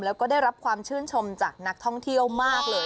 แล้วก็ได้รับความชื่นชมจากนักท่องเที่ยวมากเลย